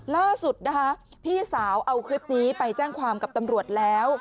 ล่าสุดนะคะพี่สาวเอาคลิปนี้ไปแจ้งความกับตำรวจแล้ว